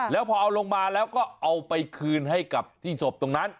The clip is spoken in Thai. แล้วพอเอาลงมาแล้วก็เอาไปคืนให้กับที่ศพตรงนั้น